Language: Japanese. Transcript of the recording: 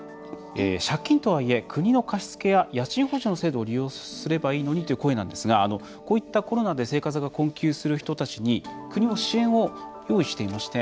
「借金とはいえ、国の貸し付けや家賃補助の制度を利用すればいいのに」という声なんですがこういったコロナで生活が困窮する人たちに国も支援を用意していまして。